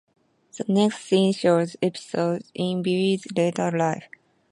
The next scene shows episodes in Billy's later life.